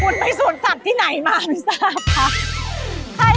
คุณไปสวนสัตว์ที่ไหนมาไม่ทราบค่ะ